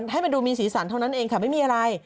ให้มันดูมีสีสันเท่านั้นเองค่ะไม่มีอะไร